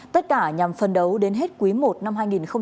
tất cả nhằm phấn đấu đến hết quý i năm hai nghìn hai mươi hai